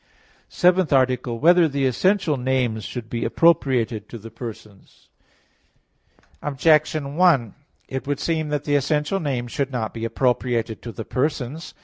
_______________________ SEVENTH ARTICLE [I, Q. 39, Art. 7] Whether the Essential Names Should Be Appropriated to the Persons? Objection 1: It would seem that the essential names should not be appropriated to the persons.